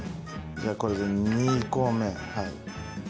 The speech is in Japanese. じゃあこれで２個目。